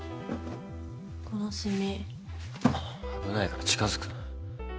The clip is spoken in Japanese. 危ないから近づくな。